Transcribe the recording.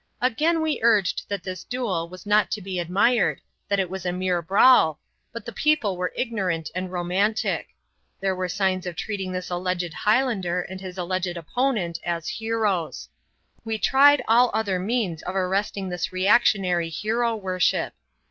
"Again we urged that this duel was not to be admired, that it was a mere brawl, but the people were ignorant and romantic. There were signs of treating this alleged Highlander and his alleged opponent as heroes. We tried all other means of arresting this reactionary hero worship.